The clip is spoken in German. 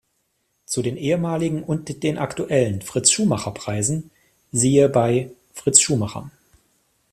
Zu den ehemaligen und den aktuellen "Fritz-Schumacher-Preisen" siehe bei Fritz Schumacher.